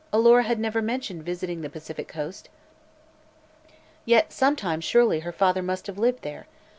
Alora had never mentioned visiting the Pacific Coast. Yet, sometime, surely, her father must have lived there.